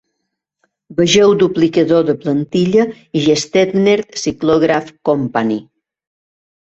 Vegeu duplicador de plantilla i Gestetner Cyclograph Company.